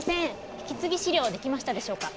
引継ぎ資料出来ましたでしょうか？